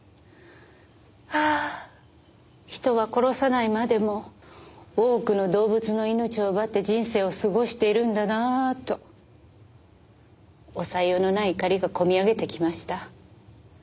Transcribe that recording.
ああ人は殺さないまでも多くの動物の命を奪って人生を過ごしているんだなと抑えようのない怒りが込み上げてきました。